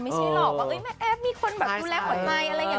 ไม่ใช่หรอกว่าเอ้ยแม่แอ๊บมีคนแบบคุณแอ๊บอดมายอะไรอย่างนี้นะ